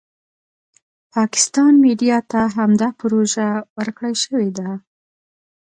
د پاکستان میډیا ته همدا پروژه ورکړای شوې ده.